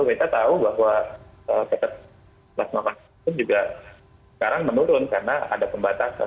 kita tahu bahwa ketat penambahan itu juga sekarang menurun karena ada pembatasan